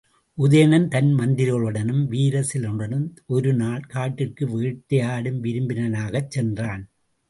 உதயணன் தன் மந்திரிகளுடனும் வீரர் சிலருடனும் ஒரு நாள் காட்டிற்கு வேட்டையாடும் விருப்பினனாகச் சென்றான்.